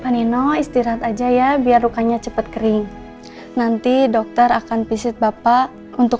panino istirahat aja ya biar rukanya cepet kering nanti dokter akan visit bapak untuk